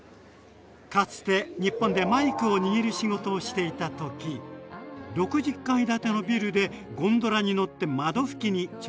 かつて日本でマイクを握る仕事をしていた時６０階建てのビルでゴンドラに乗って窓拭きに挑戦しましてね。